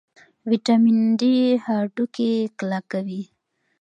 ویټامین ډي هډوکي کلکوي